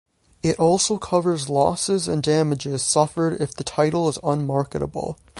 It also covers losses and damages suffered if the title is unmarketable.